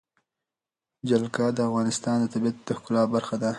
جلګه د افغانستان د طبیعت د ښکلا برخه ده.